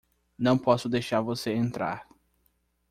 Não posso deixar você entrar